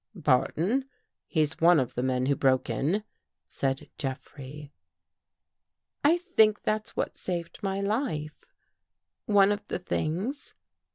'' Barton. He's one of the men who broke in," said Jeffrey. " I think that's what saved my life — one of the things."